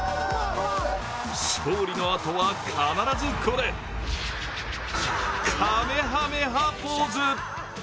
勝利のあとは必ずこれかめはめ波ポーズ。